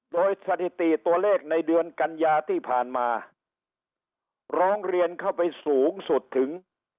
โดยสถิติตัวเลขในเดือนกัญญาที่ผ่านมาร้องเรียนเข้าไปสูงสุดถึง